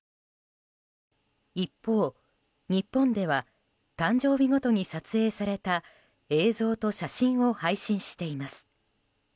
一方、日本では誕生日ごとに撮影された映像と写真を配信しています。